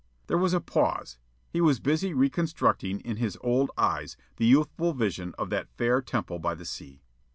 There was a pause. He was busy reconstructing in his old eyes the youthful vision of that fair temple by the sea.